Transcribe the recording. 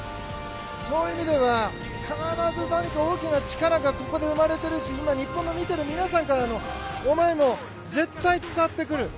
そういう意味では必ず何か大きな力がここで生まれているし日本の見てる皆さんからの思いも絶対伝わってくる。